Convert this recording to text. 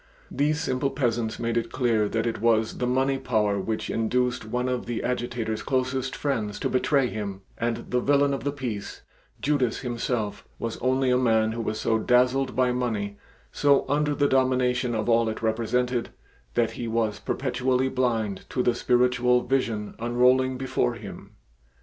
These simple peasants made it clear that it was the money power which induced one of the Agitator's closest friends to betray him, and the villain of the piece, Judas himself, was only a man who was so dazzled by money, so under the domination of all it represented, that he was perpetually blind to the spiritual vision unrolling before him.